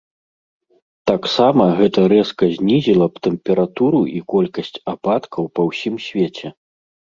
Таксама гэта рэзка знізіла б тэмпературу і колькасць ападкаў па ўсім свеце.